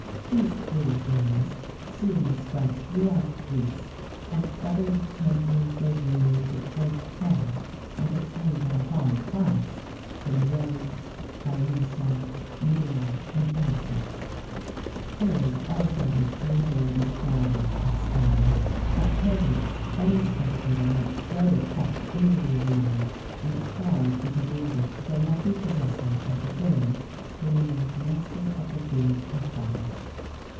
[XVII 8] These cruel games soon spread throughout Greece, and feathered champions were reared with great care, and obtained at a high price from Rhodes, Bœotia, Mela, and Chalcis.[XVII 9] Italy also wished to enjoy this barbarous pastime. At Pergamus, any spectator might throw a cock into the arena, and a prize was awarded to the lucky possessor of the bird who remained master of the field of battle.